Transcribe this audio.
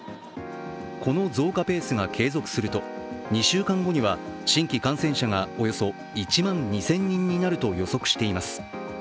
この増加ペースが継続すると、２週間後には新規感染者がおよそ１万２０００人になると予測しています。